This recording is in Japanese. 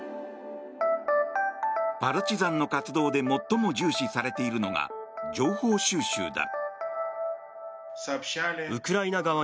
パルチザンの活動で最も重視されているのが情報収集だ。